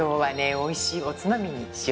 おいしいおつまみにしようと思います。